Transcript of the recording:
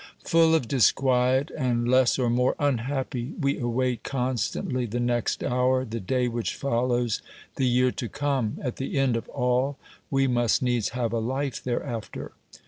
Full of disquiet and less or more unhappy, we await constantly the next hour, the day which follows, the year to come. At the end of all we must needs have a life thereafter.